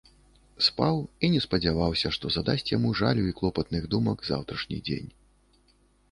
Спаў і не спадзяваўся, што задасць яму жалю і клопатных думак заўтрашні дзень.